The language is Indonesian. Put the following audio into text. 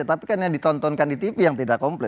tapi kan yang ditontonkan di tv yang tidak komplit